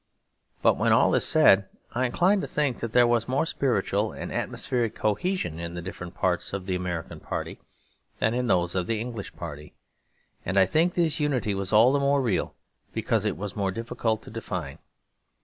But when all is said, I incline to think that there was more spiritual and atmospheric cohesion in the different parts of the American party than in those of the English party; and I think this unity was all the more real because it was more difficult to define.